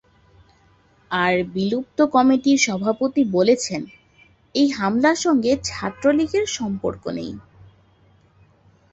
আর বিলুপ্ত কমিটির সভাপতি বলেছেন, এই হামলার সঙ্গে ছাত্রলীগের সম্পর্ক নেই।